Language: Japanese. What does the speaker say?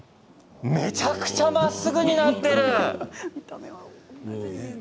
めちゃくちゃまっすぐになっている。